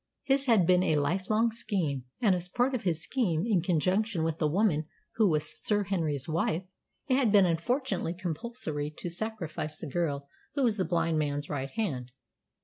His had been a lifelong scheme, and as part of his scheme in conjunction with the woman who was Sir Henry's wife, it had been unfortunately compulsory to sacrifice the girl who was the blind man's right hand.